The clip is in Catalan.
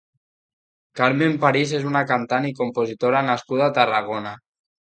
Carmen París és una cantant i compositora nascuda a Tarragona.